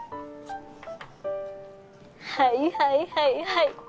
はいはいはいはい。